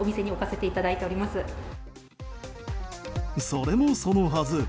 それもそのはず。